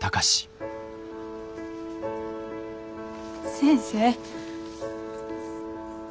先生。